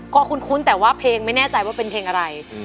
ก็คุ้นแต่ว่าเพลงไม่แน่ใจว่าเป็นเพลงอะไร